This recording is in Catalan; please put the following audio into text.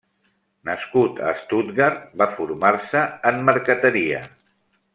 Nascut a Stuttgart, va formar-se en marqueteria.